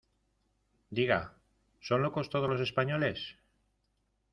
¿ diga, son locos todos los españoles?